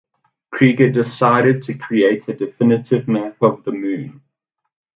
Krieger decided to create a definitive map of the Moon.